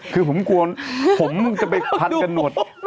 คือผมกวนผมจะไปผันกระหนด